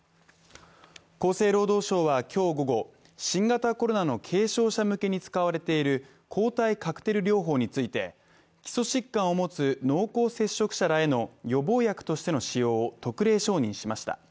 厚生労働省は今日午後、新型コロナの軽症者向けに使われている抗体カクテル療法について基礎疾患を持つ濃厚接触者らへの予防薬としての使用を特例承認しました。